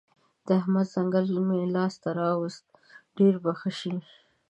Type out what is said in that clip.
د احمد ځنګل که مې لاس ته راوست؛ ډېر به ښه شي.